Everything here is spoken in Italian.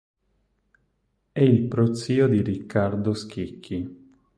È il prozio di Riccardo Schicchi.